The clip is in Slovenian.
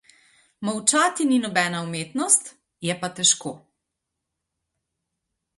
Molčati ni nobena umetnost, je pa težko.